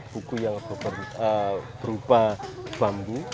buku yang berupa bambu